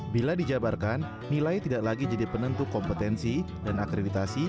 bila dijabarkan nilai tidak lagi jadi penentu kompetensi dan akreditasi